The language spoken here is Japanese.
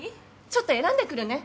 ちょっと選んでくるね。